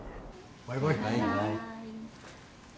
バイバイ。